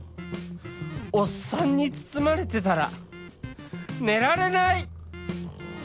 おっさんに包まれてたら寝られない！